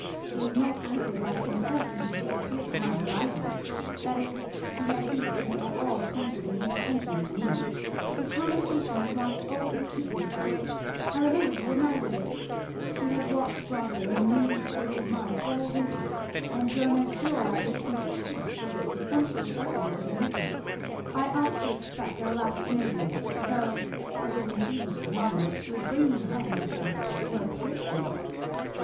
He has not acted like himself since you disappeared from our horizon that is, he has ceased to be at all pointed in his attentions to me; his conversation has lost all the acuteness for which I remember you admired it; he has walked Broadway in a moody state of mind all winter, and grown as dull as is consistent with the essential sharpness of his nature. I ought to except our last interview, though, for his entreaties to mamma that she would bring you home with her were piercing."